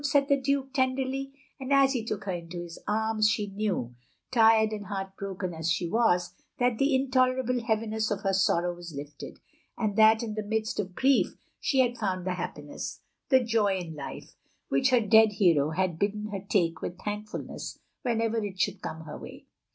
said the Duke, tenderly; and as he took her into his arms, she knew, tired and heart broken as she was, that the intolerable heaviness of her sorrow was lifted; and that in the midst of grief she had found the happiness — the joy in life — ^which her dead hero had bidden her take with thankfulness whenever it should come her way.